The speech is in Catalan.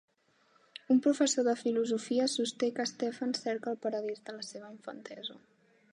Un professor de filosofia sosté que Stefan cerca el paradís de la seva infantesa.